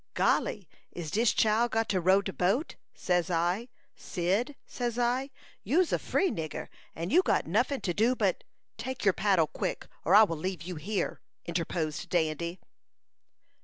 "Golly! Is dis chile got to row de boat? Says I, 'Cyd,' says I, 'you's a free nigger, and you got nuffin to do but '" "Take your paddle quick, or I will leave you here!" interposed Dandy.